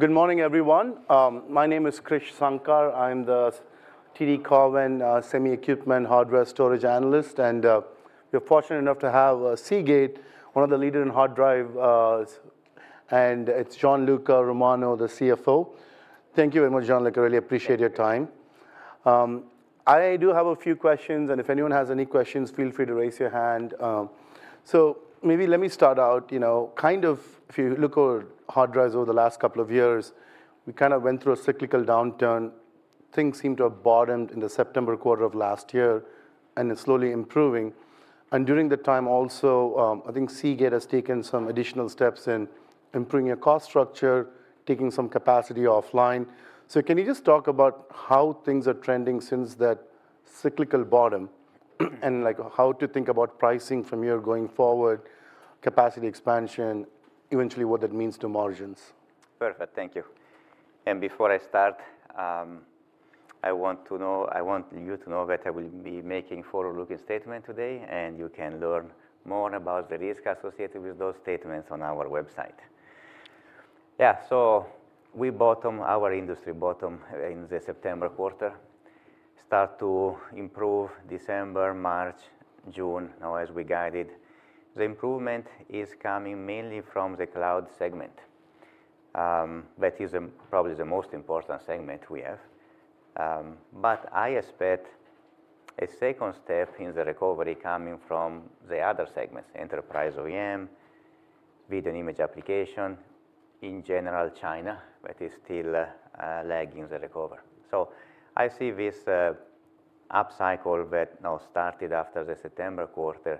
Good morning, everyone. My name is Krish Sankar. I'm the TD Cowen semi equipment hardware storage analyst, and we're fortunate enough to have Seagate, one of the leader in hard drive, and it's Gianluca Romano, the CFO. Thank you very much, Gianluca. I really appreciate your time. I do have a few questions, and if anyone has any questions, feel free to raise your hand. So maybe let me start out, you know, kind of if you look over hard drives over the last couple of years, we kind of went through a cyclical downturn. Things seemed to have bottomed in the September quarter of last year, and it's slowly improving. And during the time also, I think Seagate has taken some additional steps in improving your cost structure, taking some capacity offline. So can you just talk about how things are trending since that cyclical bottom? And, like, how to think about pricing from here going forward, capacity expansion, eventually, what that means to margins. Perfect. Thank you. And before I start, I want to know—I want you to know that I will be making forward-looking statement today, and you can learn more about the risk associated with those statements on our website. Yeah, so we bottom, our industry bottom in the September quarter, start to improve December, March, June, now as we guided. The improvement is coming mainly from the cloud segment, that is, probably the most important segment we have. But I expect a second step in the recovery coming from the other segments, enterprise, OEM, video and image application. In general, China, that is still, lagging the recovery. So I see this, upcycle that now started after the September quarter,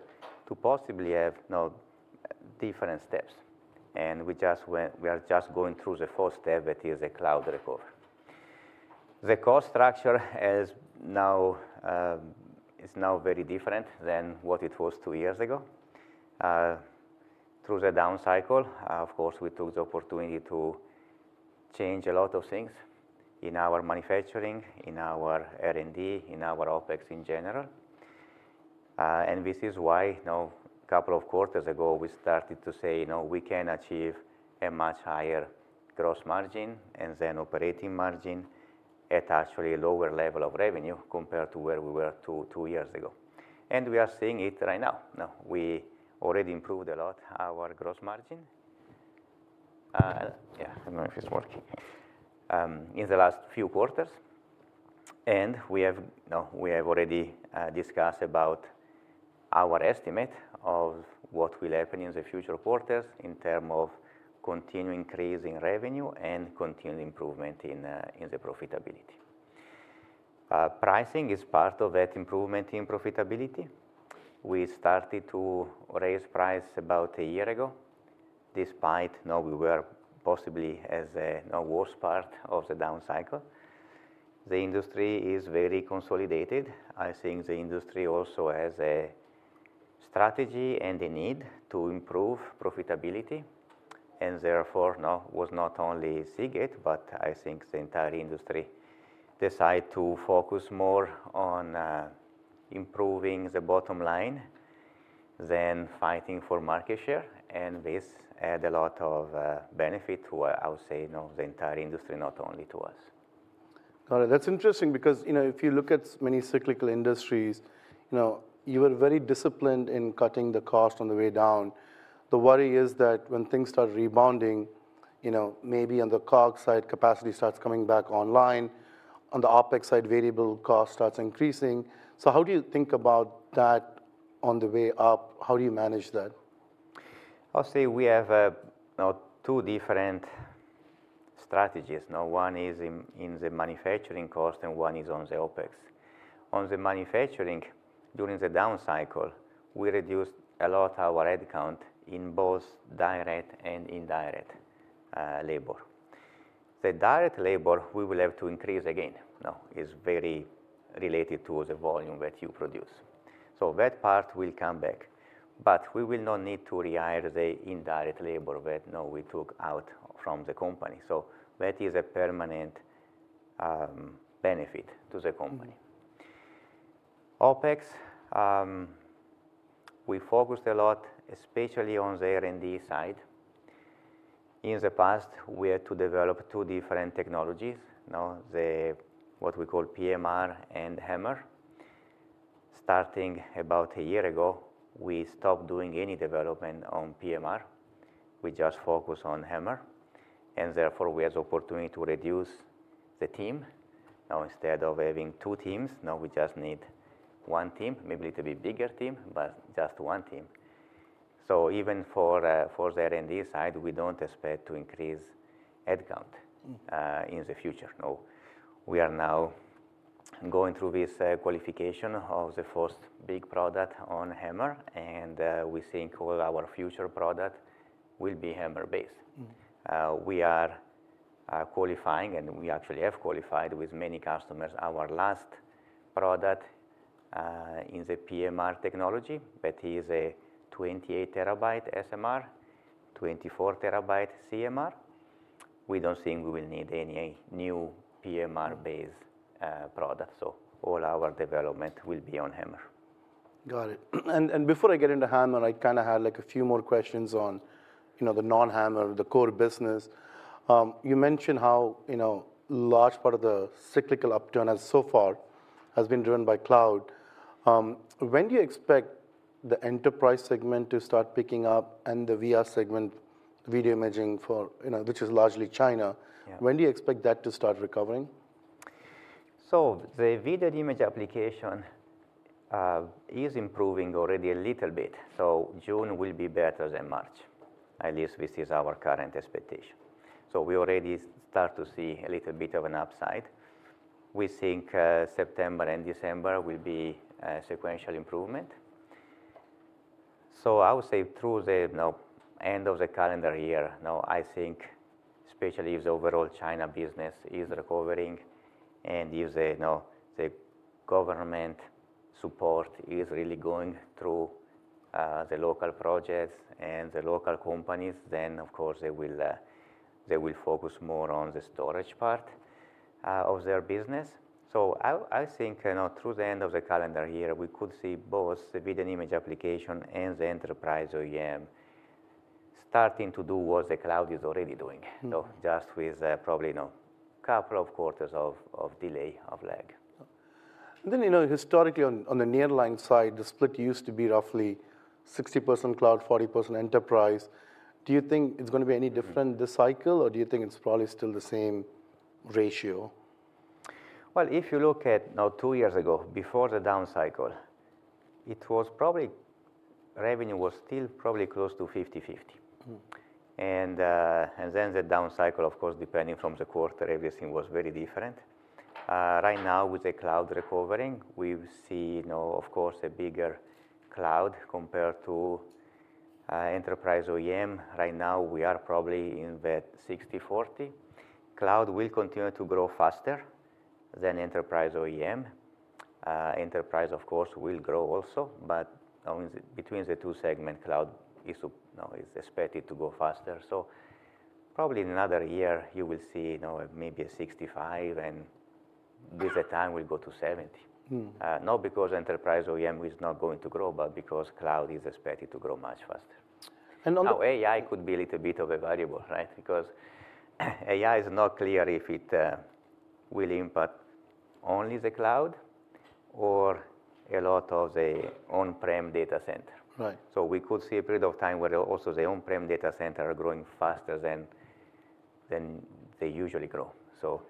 to possibly have now different steps. And we just went—we are just going through the first step, that is a cloud recovery. The cost structure is now is now very different than what it was two years ago. Through the down cycle, of course, we took the opportunity to change a lot of things in our manufacturing, in our R&D, in our OpEx in general. And this is why now, couple of quarters ago, we started to say: "You know, we can achieve a much higher gross margin, and then operating margin, at actually a lower level of revenue, compared to where we were two, two years ago." And we are seeing it right now. Now, we already improved a lot our gross margin. Yeah, I don't know if it's working. In the last few quarters, we have already discussed our estimate of what will happen in the future quarters in terms of continuing increasing revenue and continuing improvement in the profitability. Pricing is part of that improvement in profitability. We started to raise price about a year ago, despite now we were possibly as a worse part of the down cycle. The industry is very consolidated. I think the industry also has a strategy and a need to improve profitability, and therefore now was not only Seagate, but I think the entire industry decide to focus more on improving the bottom line than fighting for market share, and this adds a lot of benefit to, I would say, you know, the entire industry, not only to us. Got it. That's interesting because, you know, if you look at many cyclical industries, you know, you were very disciplined in cutting the cost on the way down. The worry is that when things start rebounding, you know, maybe on the COGS side, capacity starts coming back online, on the OpEx side, variable cost starts increasing. So how do you think about that on the way up? How do you manage that? I'll say we have now two different strategies. Now, one is in the manufacturing cost, and one is on the OpEx. On the manufacturing, during the down cycle, we reduced a lot our headcount in both direct and indirect labor. The direct labor, we will have to increase again. Now, it's very related to the volume that you produce. So that part will come back, but we will not need to rehire the indirect labor that now we took out from the company, so that is a permanent benefit to the company. OpEx, we focused a lot, especially on the R&D side. In the past, we had to develop two different technologies, now what we call PMR and HAMR. Starting about a year ago, we stopped doing any development on PMR. We just focus on HAMR, and therefore, we had the opportunity to reduce the team. Now, instead of having two teams, now we just need one team. Maybe little bit bigger team, but just one team. So even for the R&D side, we don't expect to increase headcount- Mm.... in the future. Now, we are now going through this qualification of the first big product on HAMR, and we think all our future product will be HAMR-based. Mm. We are qualifying, and we actually have qualified with many customers, our last product in the PMR technology, that is a 28TB SMR, 24TB CMR. We don't think we will need any new PMR-based product, so all our development will be on HAMR.... Got it. And before I get into HAMR, I kind of had, like, a few more questions on, you know, the non-HAMR, the core business. You mentioned how, you know, large part of the cyclical upturn has so far, has been driven by cloud. When do you expect the enterprise segment to start picking up, and the VR segment, video imaging for, you know, which is largely China? Yeah. When do you expect that to start recovering? So the video and imaging application is improving already a little bit, so June will be better than March, at least this is our current expectation. So we already start to see a little bit of an upside. We think, September and December will be a sequential improvement. So I would say through the, you know, end of the calendar year, now, I think, especially if the overall China business is recovering, and if the, you know, the government support is really going through, the local projects and the local companies, then, of course, they will, they will focus more on the storage part, of their business. So I think, you know, through the end of the calendar year, we could see both the video and imaging application and the enterprise OEM starting to do what the cloud is already doing. Mm. Just with, probably, you know, couple of quarters of delay of lag. You know, historically on the nearline side, the split used to be roughly 60% cloud, 40% enterprise. Do you think it's going to be any different this cycle? Mm... or do you think it's probably still the same ratio? Well, if you look at now, two years ago, before the down cycle, it was probably revenue was still probably close to 50/50. Mm. Then the down cycle, of course, depending from the quarter, everything was very different. Right now, with the cloud recovering, we see, you know, of course, a bigger cloud compared to enterprise OEM. Right now, we are probably in that 60/40. Cloud will continue to grow faster than enterprise OEM. Enterprise, of course, will grow also, but between the two segment, cloud is expected to grow faster. So probably in another year, you will see, you know, maybe a 65, and with the time will go to 70. Mm. Not because enterprise OEM is not going to grow, but because cloud is expected to grow much faster. And on the- Now, AI could be a little bit of a variable, right? Because AI is not clear if it will impact only the cloud or a lot of the on-prem data center. Right. So we could see a period of time where also the on-prem data center are growing faster than they usually grow. So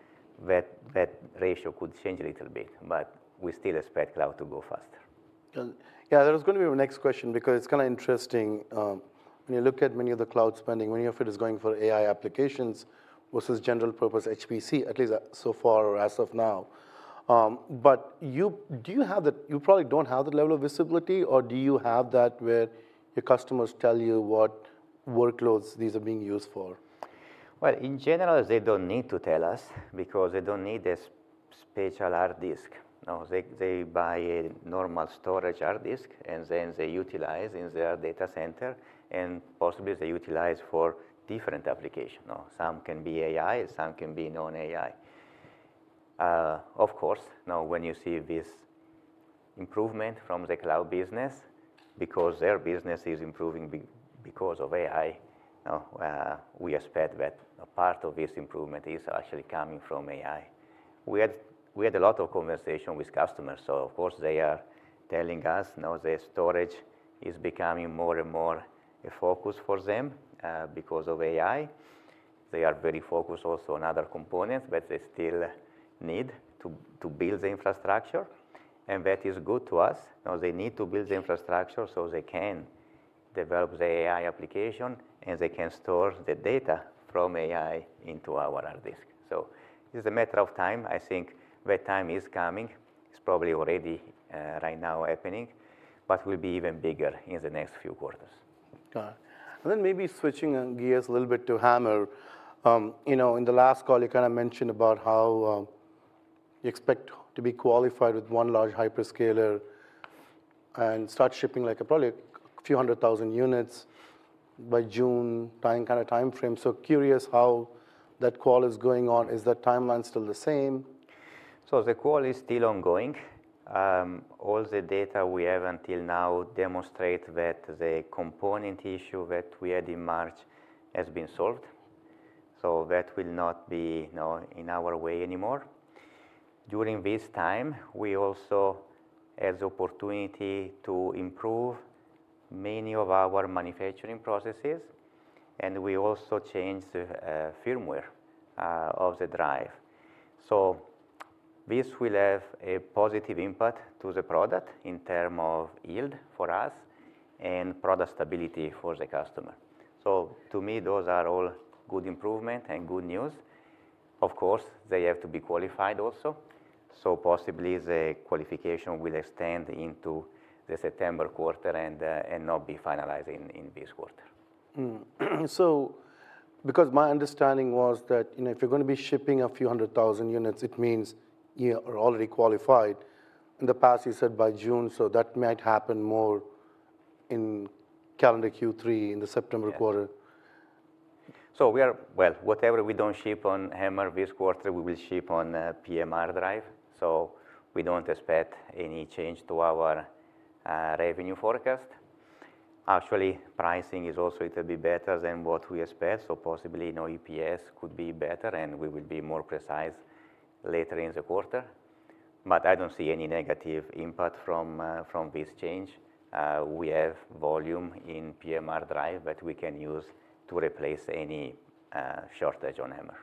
that ratio could change a little bit, but we still expect cloud to grow faster. Yeah, that was going to be my next question because it's kind of interesting. When you look at many of the cloud spending, many of it is going for AI applications versus general purpose HPC, at least, so far or as of now. But do you have the... You probably don't have the level of visibility or do you have that, where your customers tell you what workloads these are being used for? Well, in general, they don't need to tell us, because they don't need a special hard disk. No, they buy a normal storage hard disk, and then they utilize in their data center, and possibly they utilize for different application. Some can be AI, some can be non-AI. Of course, now, when you see this improvement from the cloud business, because their business is improving because of AI, we expect that a part of this improvement is actually coming from AI. We had a lot of conversation with customers, so of course, they are telling us, now, their storage is becoming more and more a focus for them, because of AI. They are very focused also on other components, but they still need to build the infrastructure, and that is good to us. Now, they need to build the infrastructure so they can develop the AI application, and they can store the data from AI into our hard disk. So it's a matter of time. I think the time is coming. It's probably already right now happening, but will be even bigger in the next few quarters. Got it. And then maybe switching on gears a little bit to HAMR. You know, in the last call, you kind of mentioned about how you expect to be qualified with one large hyperscaler, and start shipping, like, probably a few hundred thousand units by June time, kind of, timeframe. So curious how that call is going on. Is that timeline still the same? So the call is still ongoing. All the data we have until now demonstrate that the component issue that we had in March has been solved, so that will not be, you know, in our way anymore. During this time, we also has the opportunity to improve many of our manufacturing processes, and we also changed firmware of the drive. So this will have a positive impact to the product in term of yield for us and product stability for the customer. So to me, those are all good improvement and good news. Of course, they have to be qualified also, so possibly the qualification will extend into the September quarter and, and not be finalizing in this quarter. So because my understanding was that, you know, if you're going to be shipping a few hundred thousand units, it means you are already qualified. In the past, you said by June, so that might happen more in calendar Q3, in the September quarter.... So we are, well, whatever we don't ship on HAMR this quarter, we will ship on PMR drive, so we don't expect any change to our revenue forecast. Actually, pricing is also a little bit better than what we expect, so possibly, you know, EPS could be better, and we will be more precise later in the quarter. But I don't see any negative impact from this change. We have volume in PMR drive that we can use to replace any shortage on HAMR.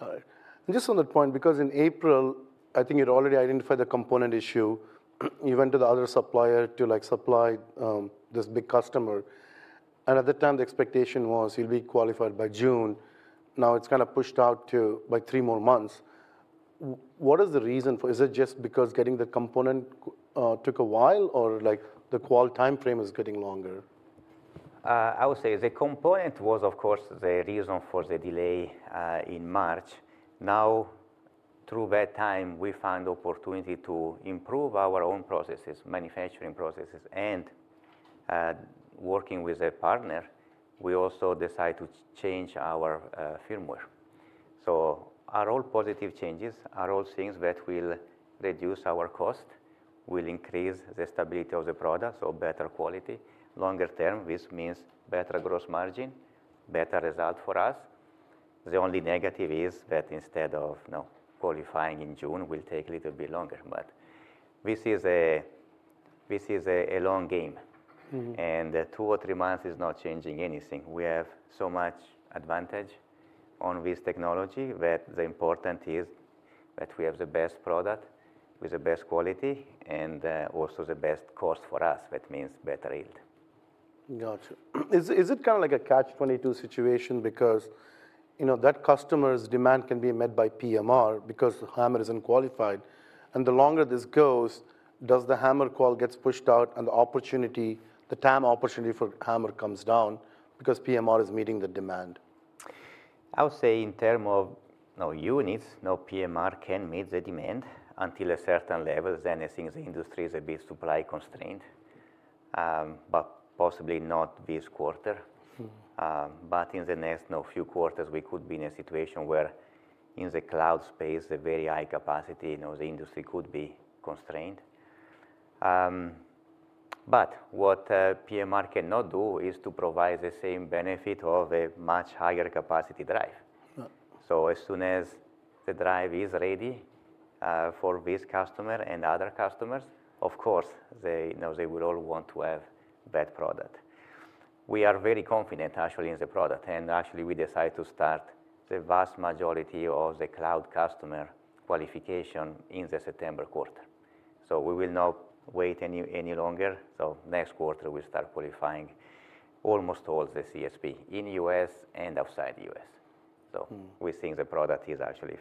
Got it. Just on that point, because in April, I think you'd already identified the component issue. You went to the other supplier to, like, supply this big customer, and at the time, the expectation was you'll be qualified by June. Now, it's kind of pushed out to, by three more months. What is the reason for? Is it just because getting the component took a while, or, like, the qual timeframe is getting longer? I would say the component was, of course, the reason for the delay in March. Now, through that time, we found opportunity to improve our own processes, manufacturing processes, and working with a partner, we also decide to change our firmware. So are all positive changes, are all things that will reduce our cost, will increase the stability of the product, so better quality. Longer term, this means better- Mm ...gross margin, better result for us. The only negative is that instead of, you know, qualifying in June, will take a little bit longer. But this is a long game. Mm-hmm. 2 or 3 months is not changing anything. We have so much advantage on this technology, that the important is that we have the best product with the best quality, and also the best cost for us, that means better yield. Gotcha. Is it kind of like a Catch-22 situation? Because, you know, that customer's demand can be met by PMR because HAMR is unqualified, and the longer this goes, does the HAMR qual gets pushed out and the opportunity, the time opportunity for HAMR comes down because PMR is meeting the demand? I would say, in terms of, you know, units, no PMR can meet the demand until a certain level, then I think the industry is a bit supply constrained. But possibly not this quarter. Mm. But in the next, you know, few quarters, we could be in a situation where, in the cloud space, a very high capacity, you know, the industry could be constrained. But what PMR cannot do is to provide the same benefit of a much higher capacity drive. Right. So as soon as the drive is ready for this customer and other customers, of course, they, you know, they would all want to have that product. We are very confident, actually, in the product, and actually, we decide to start the vast majority of the cloud customer qualification in the September quarter. So we will not wait any longer, so next quarter, we start qualifying almost all the CSP in U.S. and outside the U.S. Mm. So we think the product is actually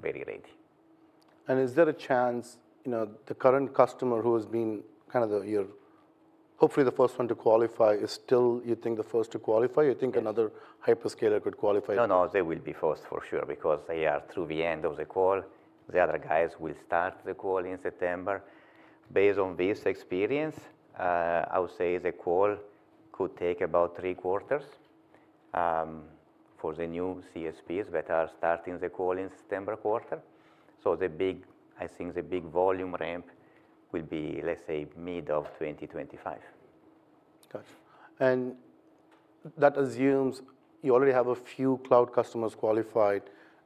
very ready. Is there a chance, you know, the current customer who has been kind of your, hopefully, the first one to qualify, is still, you think, the first to qualify? Yes. You think another hyperscaler could qualify- No, no, they will be first for sure because they are through the end of the qual. The other guys will start the qual in September. Based on this experience, I would say the qual could take about three quarters, for the new CSPs that are starting the qual in September quarter. So the big, I think the big volume ramp will be, let's say, mid of 2025. Gotcha. And that assumes you already have a few cloud customers qualified,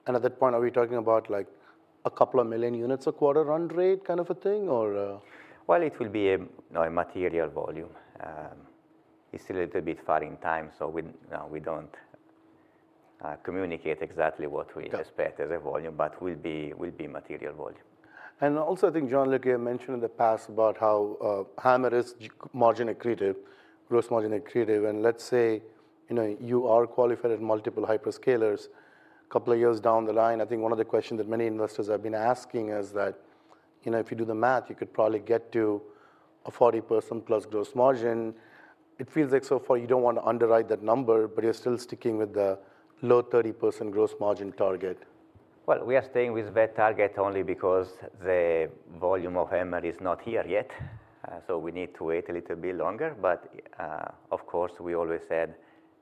and at that point, are we talking about, like, a couple of million units a quarter run rate, kind of a thing, or...? Well, it will be a, you know, a material volume. It's a little bit far in time, so we don't communicate exactly what we- Got ya... expect as a volume, but will be material volume. And also, I think Gianluca mentioned in the past about how HAMR is margin accretive, gross margin accretive. And let's say, you know, you are qualified in multiple hyperscalers, couple of years down the line, I think one of the questions that many investors have been asking is that, you know, if you do the math, you could probably get to a 40%+ gross margin. It feels like so far you don't want to underwrite that number, but you're still sticking with the low 30% gross margin target. Well, we are staying with that target only because the volume of HAMR is not here yet, so we need to wait a little bit longer. But, of course, we always said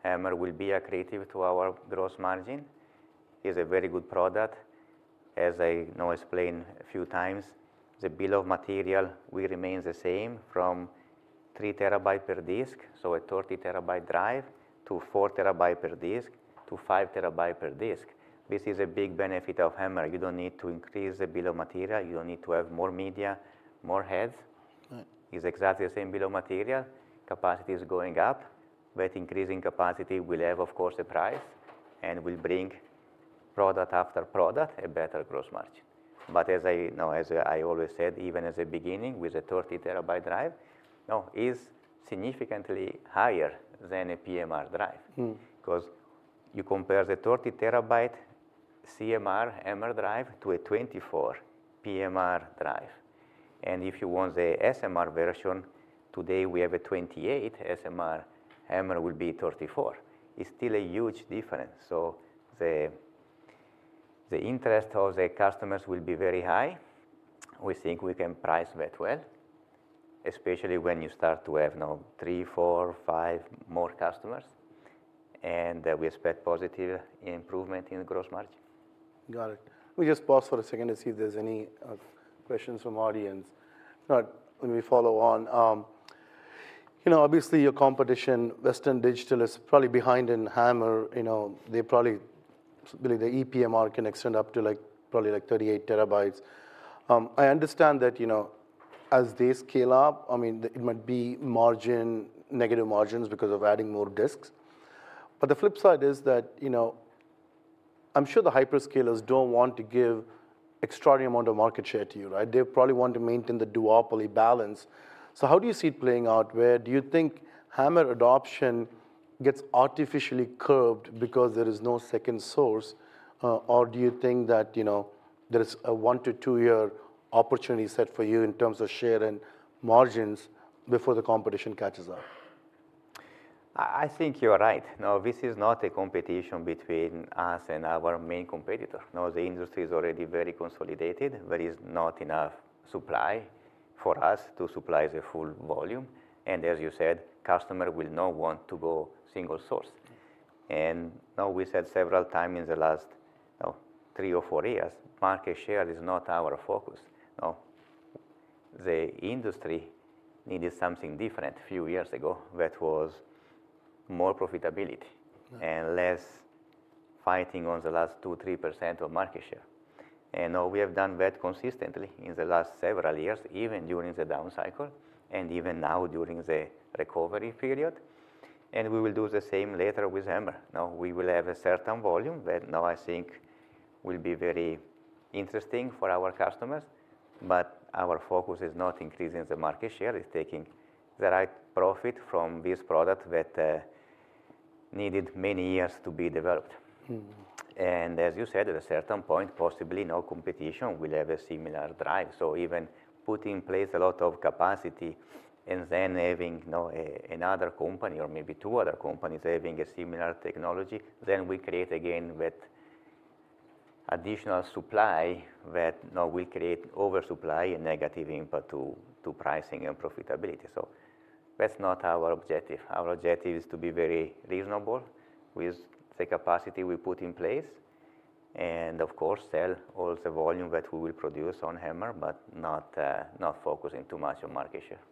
HAMR will be accretive to our gross margin. Is a very good product. As I, you know, explained a few times, the bill of material will remain the same from 3 TB per disk, so a 30 TB drive, to 4 TB per disk, to 5 TB per disk. This is a big benefit of HAMR. You don't need to increase the bill of material. You don't need to have more media, more heads. Right. It's exactly the same bill of material. Capacity is going up, but increasing capacity will have, of course, a price, and will bring product after product, a better gross margin. But as I, you know, as I always said, even at the beginning, with a 30-terabyte drive, you know, is significantly higher than a PMR drive. Mm. 'Cause you compare the 30 terabyte CMR HAMR drive to a 24 PMR drive, and if you want the SMR version, today we have a 28 SMR, HAMR will be 34. It's still a huge difference, so the interest of the customers will be very high. We think we can price that well, especially when you start to have, now, three, four, five more customers, and we expect positive improvement in the gross margin. Got it. We just pause for a second to see if there's any questions from audience. But let me follow on, you know, obviously, your competition, Western Digital, is probably behind in HAMR. You know, they probably believe their ePMR can extend up to, like, probably like 38 TB. I understand that, you know, as they scale up, I mean, it might be margin-negative margins because of adding more disks. But the flip side is that, you know, I'm sure the hyperscalers don't want to give extraordinary amount of market share to you, right? They probably want to maintain the duopoly balance. So how do you see it playing out? Where do you think HAMR adoption gets artificially curbed because there is no second source, or do you think that, you know, there is a 1-2-year opportunity set for you in terms of share and margins before the competition catches up? I, I think you're right. No, this is not a competition between us and our main competitor. No, the industry is already very consolidated. There is not enough supply for us to supply the full volume, and as you said, customer will not want to go single source. And now, we said several times in the last, you know, three or four years, market share is not our focus. No, the industry needed something different a few years ago that was more profitability- Mm. and less fighting on the last 2%-3% of market share. And now, we have done that consistently in the last several years, even during the down cycle, and even now during the recovery period, and we will do the same later with HAMR. Now, we will have a certain volume, that now I think will be very interesting for our customers, but our focus is not increasing the market share. It's taking the right profit from this product that needed many years to be developed. Mm. And as you said, at a certain point, possibly, no competition will have a similar drive. So even put in place a lot of capacity, and then having, you know, a another company or maybe two other companies having a similar technology, then we create again that additional supply, that now will create oversupply and negative input to pricing and profitability. So that's not our objective. Our objective is to be very reasonable with the capacity we put in place, and of course, sell all the volume that we will produce on HAMR, but not not focusing too much on market share.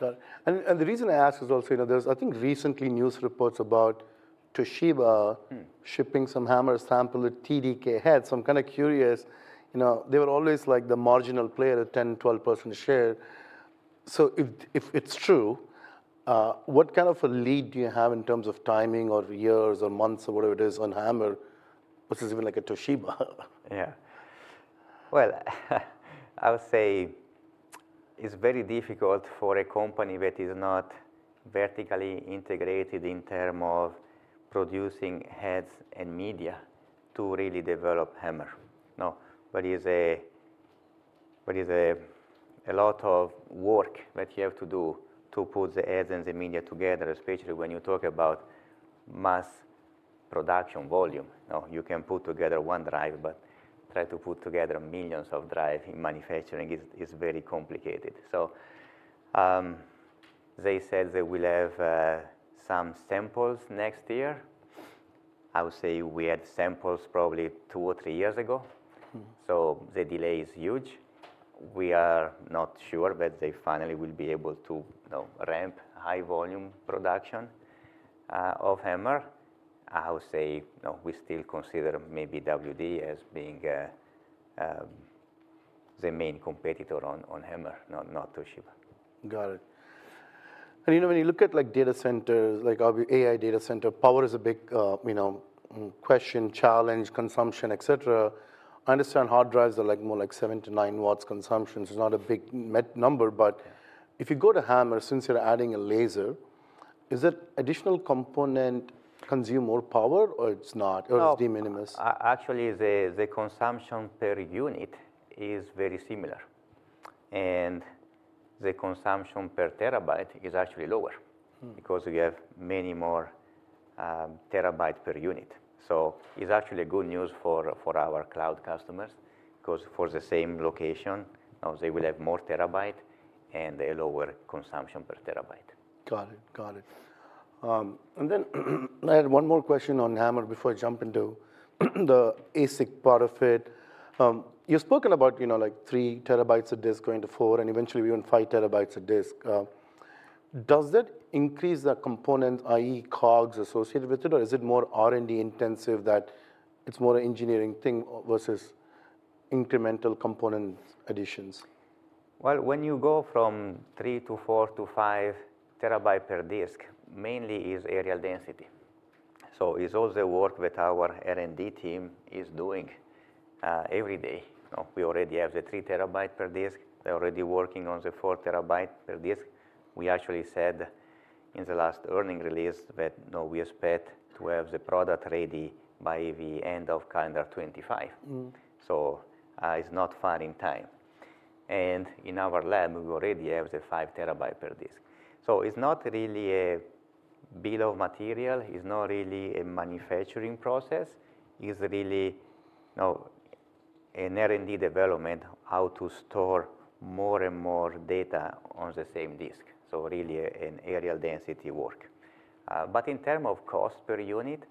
Got it. And the reason I ask is also, you know, there's, I think, recently, news reports about Toshiba- Mm... shipping some HAMR sample with TDK heads. So I'm kind of curious, you know, they were always, like, the marginal player, at 10%-12% share. So if it's true, what kind of a lead do you have in terms of timing, or years, or months, or whatever it is on HAMR, which is even like a Toshiba? Yeah. Well, I would say, it's very difficult for a company that is not vertically integrated in terms of producing heads and media to really develop HAMR. Now, there is a lot of work that you have to do to put the heads and the media together, especially when you talk about mass production volume. Now, you can put together 1 drive, but try to put together millions of drives in manufacturing is very complicated. So, they said they will have some samples next year. I would say we had samples probably 2 or 3 years ago. Mm. So the delay is huge. We are not sure, but they finally will be able to, you know, ramp high volume production of HAMR. I would say, you know, we still consider maybe WD as being the main competitor on HAMR, not Toshiba. Got it. And, you know, when you look at, like, data centers, like obviously AI data center, power is a big, you know, question, challenge, consumption, et cetera. I understand hard drives are, like, more like 7-9 watts consumption. It's not a big met number, but if you go to HAMR, since you're adding a laser, does that additional component consume more power or it's not- No... or it's de minimis? Actually, the consumption per unit is very similar, and the consumption per terabyte is actually lower- Mm... because you have many more terabyte per unit. So it's actually good news for, for our cloud customers, 'cause for the same location, now they will have more terabyte and a lower consumption per terabyte. Got it. Got it. And then, I had one more question on HAMR before I jump into the ASIC part of it. You spoken about, you know, like, 3 terabytes of disk going to 4, and eventually even 5 terabytes a disk. Does that increase the component, i.e., COGS, associated with it, or is it more R&D intensive, that it's more an engineering thing, versus incremental component additions? Well, when you go from 3 to 4 to 5 TB per disk, mainly is areal density. So it's all the work that our R&D team is doing every day. You know, we already have the 3 TB per disk. We're already working on the 4 TB per disk. We actually said in the last earnings release that, you know, we expect to have the product ready by the end of calendar 2025. Mm. So, it's not far in time... and in our lab, we already have the 5 TB per disk. So it's not really a bill of material, it's not really a manufacturing process, it's really, you know, an R&D development, how to store more and more data on the same disk. So really, an areal density work. But in terms of cost per unit,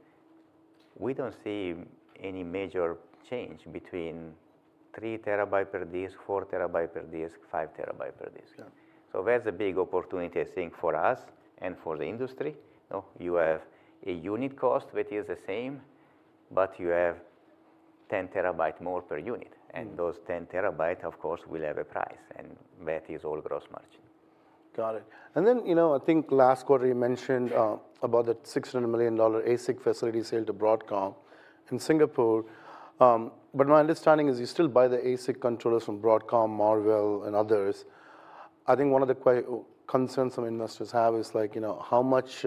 we don't see any major change between 3 TB per disk, 4 TB per disk, 5 TB per disk. Yeah. Where's the big opportunity, I think for us, and for the industry, you know, you have a unit cost that is the same, but you have 10 TB more per unit- Mm. Those 10 TB, of course, will have a price, and that is all gross margin. Got it. And then, you know, I think last quarter you mentioned, Yeah... about the $600 million ASIC facility sale to Broadcom in Singapore. But my understanding is, you still buy the ASIC controllers from Broadcom, Marvell, and others. I think one of the concerns some investors have is like, you know, how much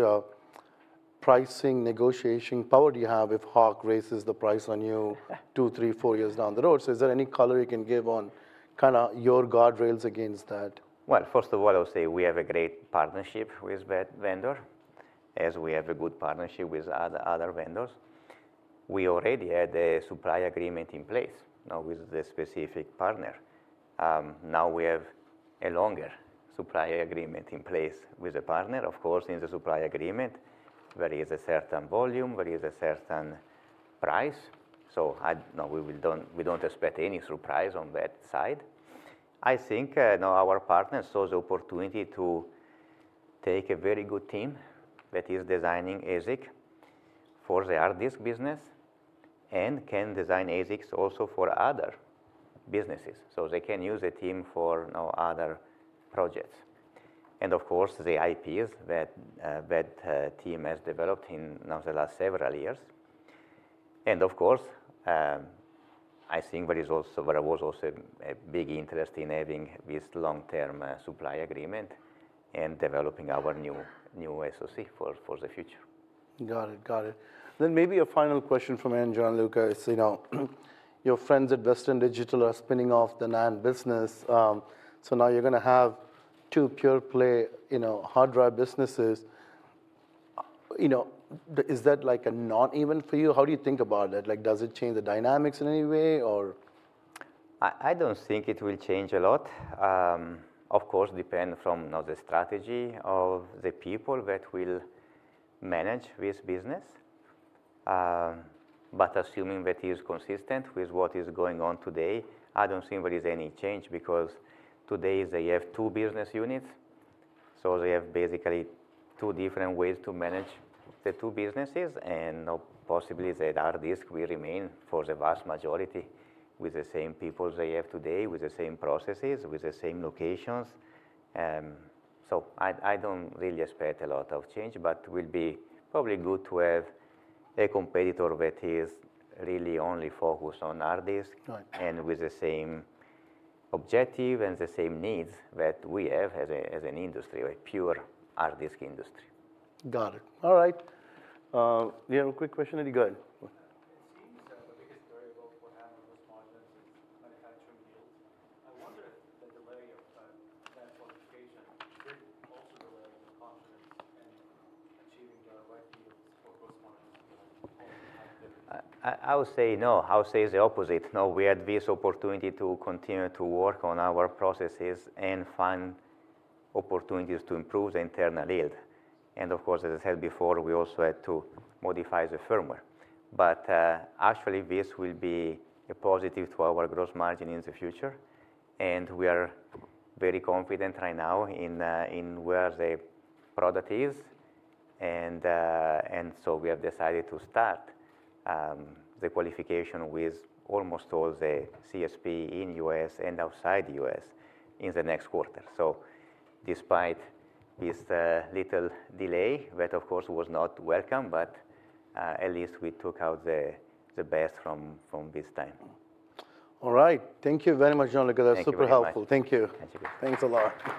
pricing negotiation power do you have if Hock raises the price on you two, three, four years down the road? So is there any color you can give on, kind of, your guardrails against that? Well, first of all, I would say we have a great partnership with that vendor, as we have a good partnership with other, other vendors. We already had a supply agreement in place, now, with this specific partner. Now, we have a longer supply agreement in place with the partner. Of course, in the supply agreement, there is a certain volume, there is a certain price, so I... No, we will don't, we don't expect any surprise on that side. I think, now our partner saw the opportunity to take a very good team, that is designing ASIC for the hard disk business, and can design ASICs also for other businesses. So they can use the team for, now, other projects, and of course, the IPs that, that, team has developed in, now, the last several years. Of course, I think there was also a big interest in having this long-term supply agreement and developing our new SoC for the future. Got it. Got it. Then maybe a final question from me, Gianluca, is, you know, your friends at Western Digital are spinning off the NAND business. So now you're gonna have two pure play, you know, hard drive businesses. You know, is that like a not even for you? How do you think about that? Like, does it change the dynamics in any way, or? I don't think it will change a lot. Of course, depend from now the strategy of the people that will manage this business. But assuming that is consistent with what is going on today, I don't think there is any change, because today they have two business units, so they have basically two different ways to manage the two businesses, and now, possibly, the hard disk will remain for the vast majority with the same people they have today, with the same processes, with the same locations. So I don't really expect a lot of change, but will be probably good to have a competitor that is really only focused on hard disk- Got it... and with the same objective and the same needs that we have as an industry, a pure hard disk industry. Got it. All right. You have a quick question? Okay, go ahead. It seems that the biggest variable for having those margins is manufacturing yields. I wonder if the delay of, that qualification should also delay the confidence in achieving the right yields for corresponding- I would say no. I would say the opposite. Now, we had this opportunity to continue to work on our processes and find opportunities to improve the internal yield. And of course, as I said before, we also had to modify the firmware. But actually this will be a positive to our gross margin in the future, and we are very confident right now in where the product is, and so we have decided to start the qualification with almost all the CSP in U.S. and outside the U.S. in the next quarter. So despite this little delay, that of course was not welcome, but at least we took out the best from this time. All right. Thank you very much, Gianluca. Thank you very much. That's super helpful. Thank you. Thank you. Thanks a lot.